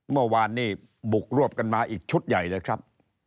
เมื่อวานนี้บุกรวบกันมาอีกชุดใหญ่เลยครับ